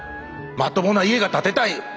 まともな家が建てたいよ！